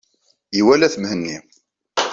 Iwala-t Mhenni.